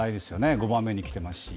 ５番目に来てますし。